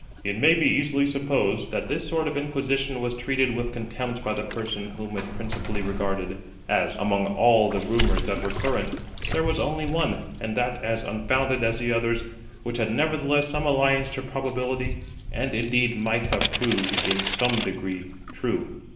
It may be easily supposed that this sort of inquisition was treated with contempt by the person whom it principally regarded; as, among all the rumours that were current, there was only one, and that as unfounded as the others, which had nevertheless some alliance to probability, and indeed might have proved in some degree true.